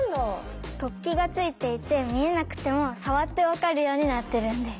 突起がついていて見えなくても触って分かるようになってるんです。